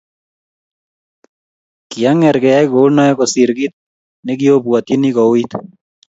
kiang'er keyai kou noee kosiir kiit nekiobwotyini kouit